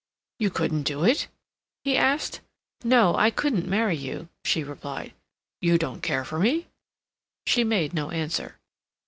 "You couldn't do it?" he asked. "No, I couldn't marry you," she replied. "You don't care for me?" She made no answer.